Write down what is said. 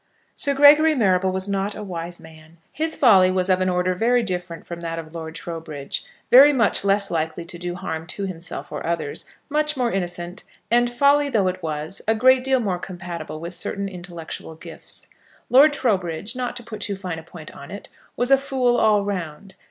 Sir Gregory Marrable was not a wise man. His folly was of an order very different from that of Lord Trowbridge, very much less likely to do harm to himself or others, much more innocent, and, folly though it was, a great deal more compatible with certain intellectual gifts. Lord Trowbridge, not to put too fine a point upon it, was a fool all round.